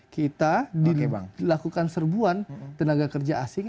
kita dilakukan serbuan tenaga kerja asing